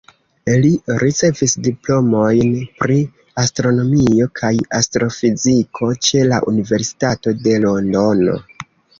Li ricevis diplomojn pri astronomio kaj astrofiziko ĉe la Universitato de Londono.